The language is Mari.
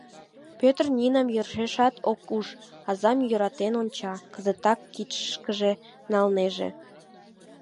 Пӧтыр Нинам йӧршешат ок уж, азам йӧратен онча, кызытак кидышкыже налнеже.